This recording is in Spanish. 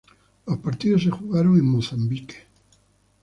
Los partidos se jugaron en Mozambique.